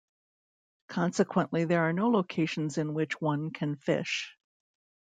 Consequently, there are no locations in which one can fish.